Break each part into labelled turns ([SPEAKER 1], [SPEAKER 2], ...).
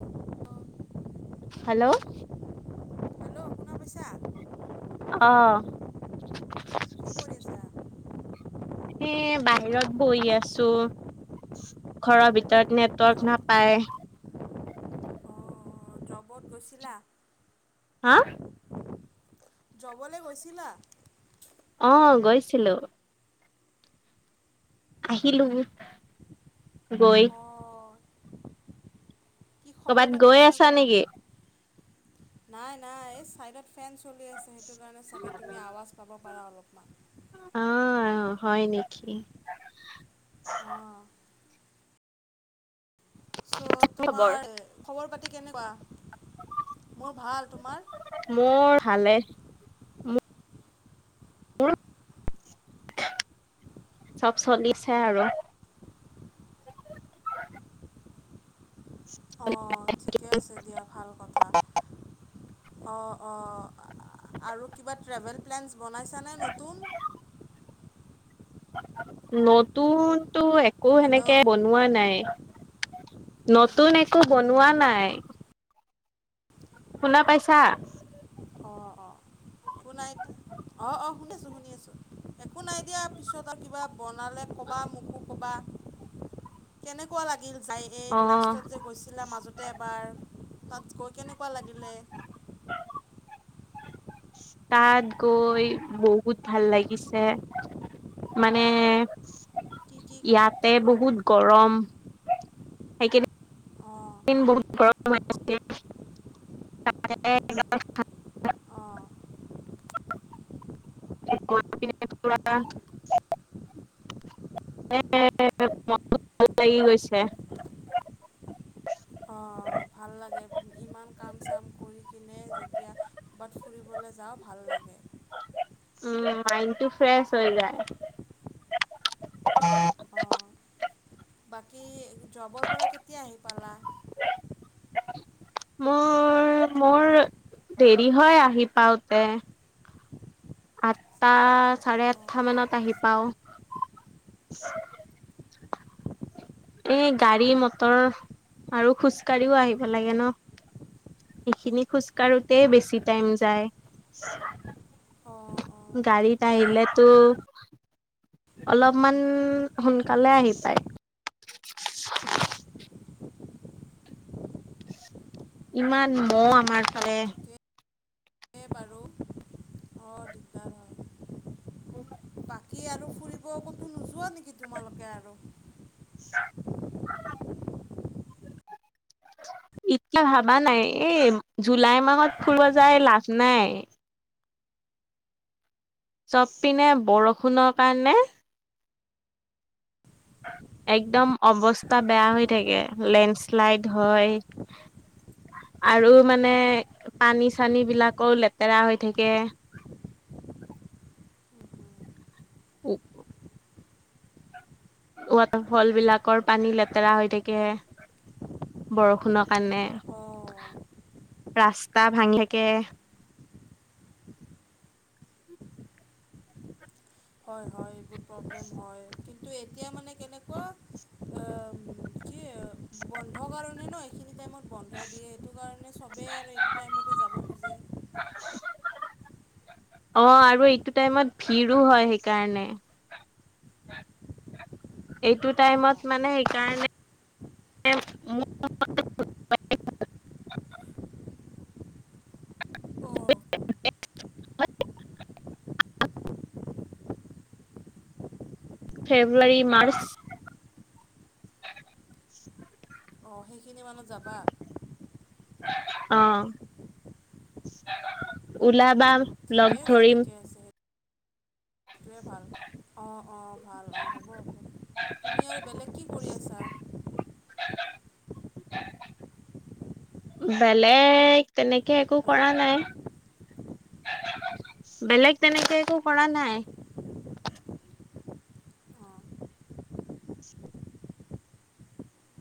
[SPEAKER 1] অ।
[SPEAKER 2] Hello?
[SPEAKER 1] সমস্যা।
[SPEAKER 2] অ।
[SPEAKER 1] কি কৰি আছা?
[SPEAKER 2] এ বাহিৰত বহি আছো। ঘৰৰ ভিতৰত নেটৱৰ্ক নাপায়।
[SPEAKER 1] বত গৈছিলা?
[SPEAKER 2] হা?
[SPEAKER 1] যবলৈ গৈছিলা
[SPEAKER 2] অ গৈছিলো আহিলো গৈ
[SPEAKER 1] অঁ কি
[SPEAKER 2] কৰ'বাত
[SPEAKER 1] খবৰ পাতে
[SPEAKER 2] গৈ আছা
[SPEAKER 1] কেনেকুৱা
[SPEAKER 2] নেকি
[SPEAKER 1] নাই, নাই এই চাইডত ফেন চলি আছে। সেইটো কাৰণে চাগে তুমি আৱাজ পাব পাৰা অলপমান।
[SPEAKER 2] অ', অ' হয় নেকি?
[SPEAKER 1] অহ', চ'
[SPEAKER 2] খবৰ
[SPEAKER 1] তোমাৰ খবৰ পাতি কেনেকুৱা? মোৰ ভাল, তোমাৰ?
[SPEAKER 2] মোৰ ভালেই--মোৰ চব চলিছে আৰু
[SPEAKER 1] অ', ঠিকে আছে দিয়া। ভাল কথা অ', অ', আৰু কিবা ট্ৰেভেল প্লেনছ বনাইছা নে? নতুন
[SPEAKER 2] নতুনটো একো সেনেকে বনোৱা নাই। নতুন একো বনোৱা নাই। শুনা পাইছা?
[SPEAKER 1] অ', অ' একো নাই অ' অ' শুনি আছোঁ, শুনি আছোঁ একো নাই দিয়া পিছত আৰু কিবা বনালে কবা, মোকো কবা, কেনেকুৱা লাগিল যাই? এই
[SPEAKER 2] অ
[SPEAKER 1] লাষ্টত যে গৈছিলা মাজতে এবাৰ তাত গৈ কেনেকুৱা লাগিলে।
[SPEAKER 2] তাত গৈ বহুত ভাল লাগিছে। মানে, ইয়াতে বহুত গৰম সেইখিনি,
[SPEAKER 1] অ',
[SPEAKER 2] এই কেইদিন বহুত গৰম [inaudible] আ চাৰে
[SPEAKER 1] অ',
[SPEAKER 2] তাত গৈ পেলাই এনেকুৱা এটা এ মনটো ভাল লাগি গৈছে।
[SPEAKER 1] অ', ভাল লাগে, ইমান কাম চাম কৰি কিনে যেতিয়া ক'ৰবাত ফুৰিবলৈ যাওঁ ভাল লাগে।
[SPEAKER 2] উম' মাইণ্ড টো ফ্ৰেছ হৈ যায়।
[SPEAKER 1] অ', বাকী জবৰ পৰা কেতিয়া আহি পালা?
[SPEAKER 2] মোৰ মোৰ, দেৰি হয় আহি পাওঁতে আঠটা চাৰে আঠটা মানত আহি পাওঁ। এই গাড়ী, মটৰ আৰু খোজকাাঢ়িও আহিব লাগে ন? এইখিনি খোজকাঢ়োতে বেছি টাইম যায়। গাড়ীত আহিল টো অলপমান সোনকালে আহি পায়। ইমান মহ আমাৰ ফালে
[SPEAKER 1] এই বাৰু অ' দিগদাৰ হয়।
[SPEAKER 2] অ',
[SPEAKER 1] বাকী আৰু ফুৰিব কতো নোযোৱা নেকি? তোমালোকে আৰু
[SPEAKER 2] স [inaudible] ইতয়া ভাবা নাই, এই জুলাই মাহত ফুৰিব যায় লাভ নাই। চবপিনে বৰষুণৰ কাৰণে, একদম অৱস্থা বেয়া হৈ থাকে লেণ্ডশ্লাইড হয়। আৰু মানে, পানী- ছানি বিলাকো লেতেৰা হৈ থাকে। ওঁও - ৱাটাৰফল বিলাকৰ পানী লেতেৰা হৈ থাকে বৰষুণৰ কাৰণে।
[SPEAKER 1] অঁ
[SPEAKER 2] ৰাস্তা ভাঙি থাকে।
[SPEAKER 1] হয়, হয় এইবোৰ প্ৰব্লেম হয় কিন্তু এতিয়া মানে কেনেকুৱা অঁ কি আ বন্ধ কাৰণে ন' এইখিনি টাইমত বন্ধ দিয়ে সেইটো কাৰণ ণে চবেই আৰু এইটো টাইমতে যাব খোজে।
[SPEAKER 2] অঁ -আৰু এইটো টাইমত ভিৰো হয় সেইকাৰণে। এইটো টাইমত মানে সেইকাৰণে ফ্ৰেব্ৰু ফেব্ৰুৱাৰী, মাৰ্চ।
[SPEAKER 1] অঁ -সেইখিনি মানত যাবা?
[SPEAKER 2] অঁ, ওলাবা। লগ
[SPEAKER 1] ঠিকেই আছে,
[SPEAKER 2] ধৰিম
[SPEAKER 1] ঠিকে আছে। সেইটোৱে ভাল। অঁ, অঁ ভাল অঁ হ'ব হ'ব। তুমি আৰু বেলেগ কি কৰি আছা? [inaudible]
[SPEAKER 2] বেলেগ তেনেকে একো কৰা নাই। বেলেগ তেনেকে একো কৰা নাই।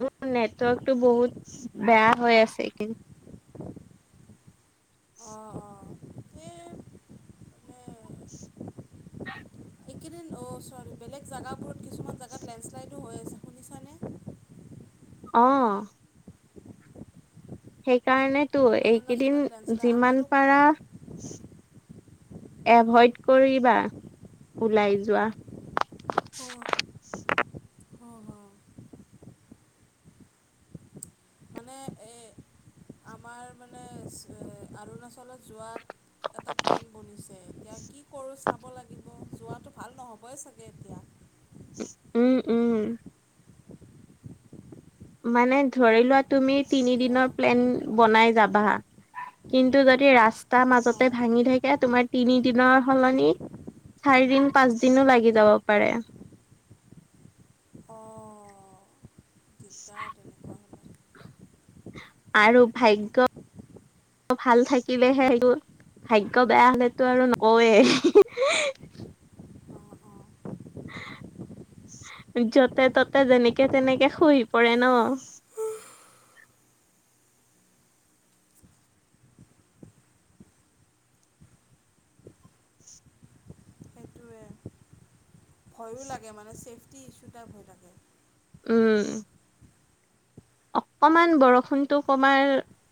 [SPEAKER 2] মোৰ নেটৱৰ্কটো বহুত বেয়া হৈ আছে কিন্ [inaudible]
[SPEAKER 1] এইকেইদিন অঁ চৰী, বেলেগ জেগাবোৰত কিছুমান জেগাত লেণ্ডচশ্লাইডো হৈ আছে। শুনিছানে?
[SPEAKER 2] অঁ। সেইকাৰণেইটো, এইকেইদিন যিমান পাৰা এভইড কৰিবা। ওলাই যোৱা।
[SPEAKER 1] হঁঅ, হঁঅ হঁঅ। মানে এ আমাৰ মানে এ--অৰুণাচলত যোৱাত এটা প্লেন বনিছে। এতিয়া কি কৰোঁ চাব লাগিব। যোৱাটো ভাল নহ'বই চাগে এতিয়া।
[SPEAKER 2] ওঁ, ওঁ। মানে ধৰি লোৱা তুমি তিনিদিনৰ প্লেন বনাই যাবা। কিন্তু যদি ৰাস্তাৰ মাজতে ভাঙি থাকে, তোমাৰ তিনিদিনৰ সলনি চাৰিদিন, পাঁচদিনো লাগি যাব পাৰে।
[SPEAKER 1] অঁ গীতা তেনেকুৱা।
[SPEAKER 2] আৰু ভাগ্যত ভাল থাকিলেহে ভাগ্য বেয়া হলেটো আৰু নকওঁয়েই। ইছ্‌ ই এ যতে- ততে যেনেকে- তেনেকে শুই পৰে ন?
[SPEAKER 1] সেইটোৱে। ভয়ো লাগে। মানে ছেফটি ইছ্যুটা ভয় লাগে।
[SPEAKER 2] উম। অকণমান বৰষুণটো কমাই,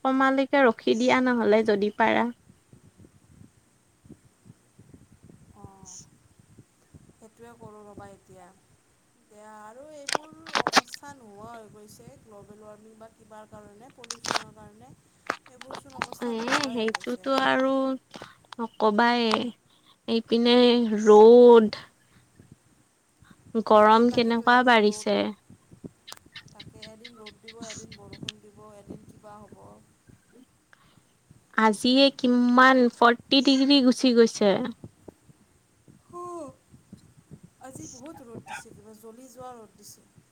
[SPEAKER 2] কমালৈকে ৰখি দিয়া নহ'লে যদি পাৰা। [inaudible]
[SPEAKER 1] সেইটোৱে কৰোঁ ৰ'বা এতিয়া। এইয়া আৰু এইবোৰ অৱস্থা নোহোৱা হৈ গৈছে। গ্ল'বেল ৱাৰ্মিং বাট কিবা কাৰণে, পলিউচনৰ কাৰণে এইবোৰচোন
[SPEAKER 2] এ
[SPEAKER 1] অৱস্থা নোহোৱাই গৈছে আৰু।
[SPEAKER 2] অঁ কবাই এইপিনে ৰ'দ। গৰম
[SPEAKER 1] এদিন তাকেতো
[SPEAKER 2] কেনেকুৱা
[SPEAKER 1] এদিন ৰ'দ
[SPEAKER 2] বাঢ়িছে
[SPEAKER 1] তাকে এদিন ৰ'দ দিব এদিন বৰষুণ দিব এদিন কিবা হ'ব
[SPEAKER 2] আজিয়ে কিমান ফ্ৰৰ্টি ডিগ্ৰী গুচি গৈছে
[SPEAKER 1] উহ আজি বহুত ৰদ দিছে কিবা জ্ব জ্বলি যোৱা ৰ'দ দিছোঁ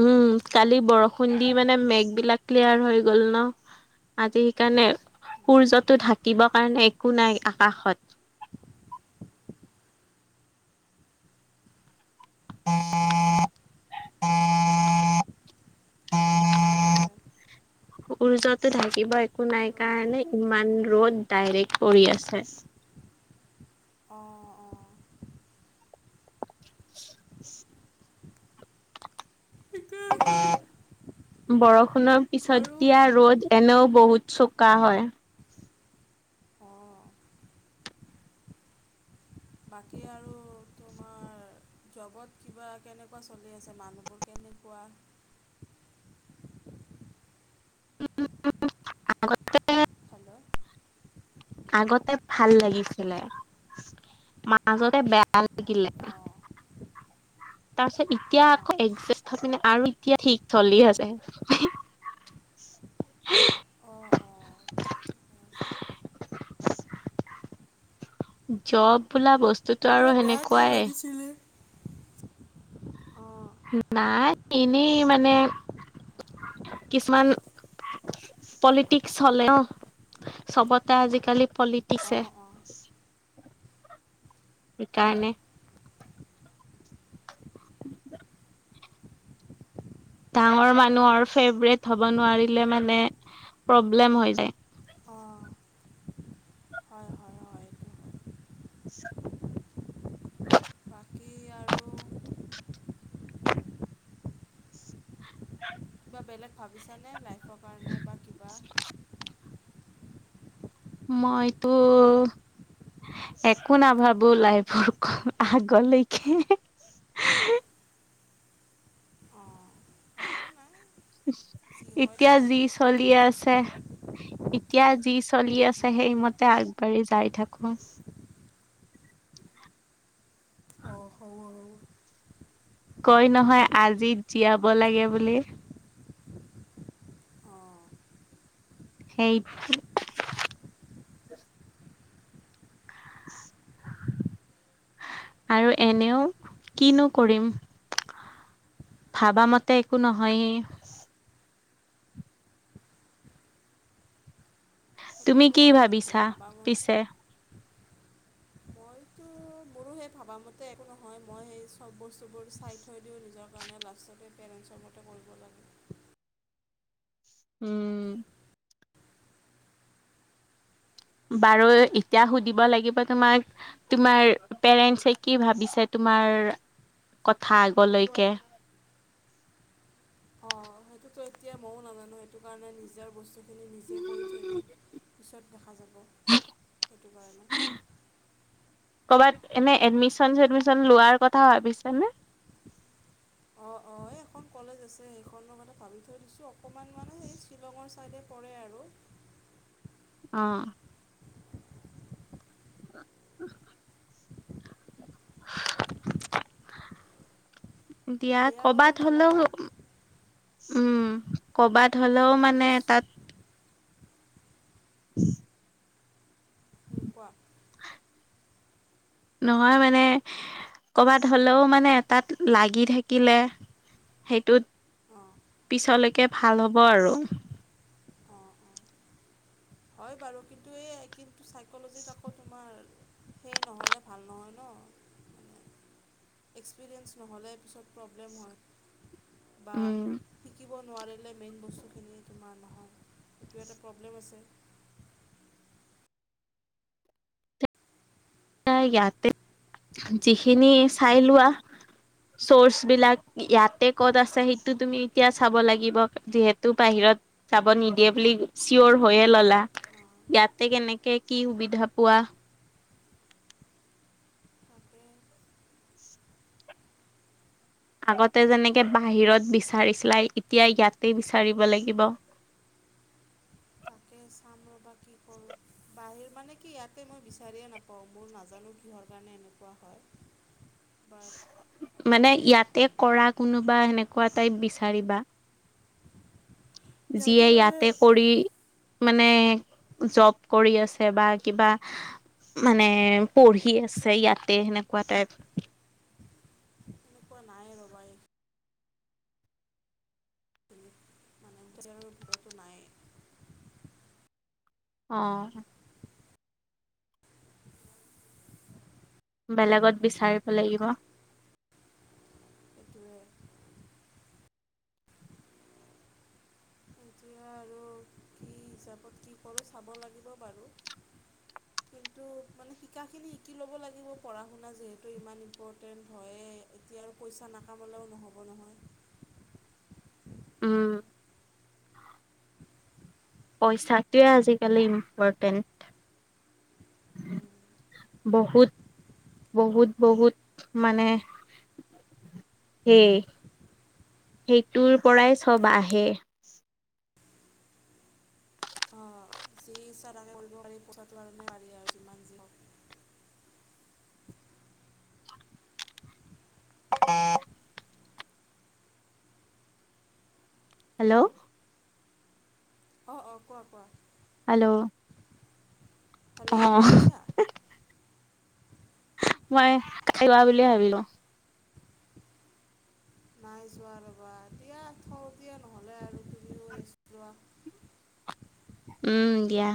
[SPEAKER 2] উম কালি বৰষুণ দি মানে মেঘ বিলাক ক্লিয়াৰ হৈ গ'ল ন আজি সেইকাৰণে সূৰ্যটো ঢাকিবৰ কাৰণে একো নাই আকাশত
[SPEAKER 1] [unintelligible]
[SPEAKER 2] টিট সূৰ্যটো ঢাকিব একো নাই কাৰণে ইমান ৰ'দ ডাইৰেক্টৰ পৰি আছে
[SPEAKER 1] অহ অহ
[SPEAKER 2] [unintelligible]
[SPEAKER 1] এতিয়া
[SPEAKER 2] টিট বৰষুণৰ পিছত দিয়া ৰ'দ এনেও বহুত চোকা হয়
[SPEAKER 1] বাকী আৰু তোমাৰ জৰ্ব কিবা কেনেকুৱা চলি আছে মানুহবোৰ কেনেকুৱা হেল্ল'
[SPEAKER 2] আগতে ভাল লাগিছিলে মাজতে বেয়া লাগিলে
[SPEAKER 1] [unintelligible]
[SPEAKER 2] তাৰ পিছত এতিয়া আকৌ এজাষ্ট হৈ পিনে আৰু এতিয়া ঠিক চলি আছে
[SPEAKER 1] অহ', অ'হ
[SPEAKER 2] জৰ্ব বোলা বস্তুতো আৰু সেনেকুৱাই
[SPEAKER 1] কেলে
[SPEAKER 2] নাই এনেই মানে কিছুমান পলিটিক্সি হলে ন চবতে আজিকালি পলিটিক্সি সেইকাৰণে [unintelligible] ডাঙৰ মানুহৰ আৰু ফেভৰেট হ'ব নোৱাৰিলে মানে প্ৰব্লেম হৈ যায়।
[SPEAKER 1] অ'হ হয়, হয়, হয়, এইটো
[SPEAKER 2] নিশ্চয় হয়
[SPEAKER 1] বাকী আৰু
[SPEAKER 2] [unintelligible]
[SPEAKER 1] কিবা বেলেগ ভাবিছা নে লাইফৰ কাৰণে বা কিবা?
[SPEAKER 2] মইটো একো নাভাবো লাইফৰ ক আগলৈকে হুহ
[SPEAKER 1] অ'হ
[SPEAKER 2] এতিয়া যি চলি আছে এতিয়া যি চলি আছে সেইমতে আগবাঢ়ি যায় থাকো।
[SPEAKER 1] অ'হ হও
[SPEAKER 2] কয় নহয় আজি জীয়াব লাগে বুলি।
[SPEAKER 1] অঁহ
[SPEAKER 2] সেইটো আৰু এনেও কিনো কৰিম ভাবা মতে একো নহয়। তুমি কি ভাবিছা পিছে?
[SPEAKER 1] মইতো মোৰো সেই ভবামতে একো নহয় মই সেই চব বস্তুবোৰ চাই থৈ দিওঁ নিজক সেইকাৰণে লাষ্টতে পেৰেণ্টছৰ মতে কৰিব লাগে।
[SPEAKER 2] উম। বাৰু এতিয়া সুধিব লাগিব তোমাক তোমাৰ পেৰেণ্টছে কি ভাবিছে তোমাৰ কথা আগলৈকে।
[SPEAKER 1] অঁ', সেইটোতো এতিয়া ময়ো নাজানো সেইটো কাৰণে নিজৰ বস্তুখিনি নিজে কৰি থৈ দিওঁ পিছত দেখা যাব সেইটো কাৰণে
[SPEAKER 2] কৰ'বাত এনে এডমিচন চেডমিচন লোৱাৰ কথা ভাবিছে নে?
[SPEAKER 1] অ', অ', এই এখন কলেজ আছে সেইখনৰ কথা ভাবি থৈ দিছো অকমান মানে হেই শ্বিলঙৰ ছাইডে পৰে আৰু
[SPEAKER 2] অ'
[SPEAKER 1] [inaudible] [inaudible]
[SPEAKER 2] দিয়া কৰবাত হলেও উম কৰবাত হ'লেও মানে তাত [inaudible]
[SPEAKER 1] কোৱা
[SPEAKER 2] নহয় মানে কৰ'বাত হলেও মানে তাত লাগি থাকিলে সেইটোত পিছলৈকে ভাল হ'ব আৰু
[SPEAKER 1] হয় বাৰু কিন্তু এই কিন্তু চাইক'ল'জিত আকৌ তোমাৰ সেই নহ'লে ভাল নহয় ন এক্সপিৰিয়েঞ্চ নহ'লে পিছত প্ৰব্লেম হয় বা
[SPEAKER 2] উম
[SPEAKER 1] শ ক নোৱাৰিলে মেইন বস্তুখিনি তোমাৰ নহয় সেইটো এটা প্ৰব্লেম আছে
[SPEAKER 2] এ ইয়াতে যিখিনি চাই লোৱা চৰ্চ বিলাক ইয়াতে ক'ত আছে সেইটো তুমি এতিয়া চাব লাগিব যিহেতু বাহিৰত যাব নিদিয়ে বুলি চিয়ৰ হৈয়ে ললা ইয়াতে কেনেকে কি সুবিধা পোৱা আগতে যেনেকে বাহিৰত বিচাৰিছিলাই এতিয়া ইয়াতে বিচাৰিব লাগিব
[SPEAKER 1] তাকে চাম ৰ'বা কি কৰোঁ বাহিৰ মানে কি ইয়াতে মই বিচাৰিয়ে নাপাওঁ মোৰ নাজানো কিহৰ কাৰণে এনেকুৱা হয় [inaudible] বাৰ
[SPEAKER 2] মানে ইয়াতে কৰা কোনোবা এনেকুৱা টাইপ বিচাৰিবা যিয়ে ইয়াতে কৰি মানে জব কৰি আছে বা কিবা মানে পঢ়ি আছে ইয়াতে সেনেকুৱা টাইপ
[SPEAKER 1] নাই ৰ'বাই মানে নিজাৰৰ ভিতৰতো নাই
[SPEAKER 2] অ বেলেগত বিচাৰিব লাগিব
[SPEAKER 1] তোৱে যোৱা আৰু কি কি হিচাপত কি কৰোঁ চাব লাগিব বাৰু কিন্তু মানে শিকাখিনি শিকি ল'ব লাগিব পঢ়া শুনা যিহেতু ইমান ইম্পৰ্টেণ্ট হয়ে এতিয়া আৰু পইচা নাকামলেও নহ'ব নহয়
[SPEAKER 2] উম পইচাটোৱে আজিকালি ইম্পৰ্টেণ্ট বহুত বহুত বহুত মানে সেই সেইটোৰ পৰাই চব আহে
[SPEAKER 1] অ যি ইচ্ছা তাকে কৰিব পাৰি পইচাটো কাৰণে পাৰি আৰু যিমান যি হক
[SPEAKER 2] [unintelligible] হেল্ল'
[SPEAKER 1] অ অ কোৱা কোৱা
[SPEAKER 2] হেল্ল' অ
[SPEAKER 1] হেল্ল' শুনা পাইছা
[SPEAKER 2] মই কাট খোৱা বুলিয়ে ভাবিলো
[SPEAKER 1] নাই যোৱা ৰবা দিয়া থ দিয়া নহ'লে আৰু তুমিও ৰেচ লোৱা
[SPEAKER 2] উম দিয়া